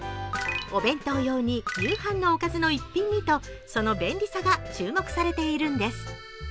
お弁当用に、夕飯のおかずの一品にと、その便利さが注目されているんです。